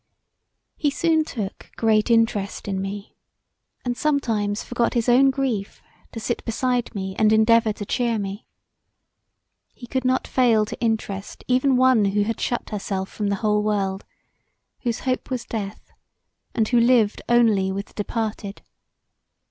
He soon took great interest in me, and sometimes forgot his own grief to sit beside me and endeavour to cheer me. He could not fail to interest even one who had shut herself from the whole world, whose hope was death, and who lived only with the departed.